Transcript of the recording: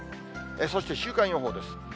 そして週間予報です。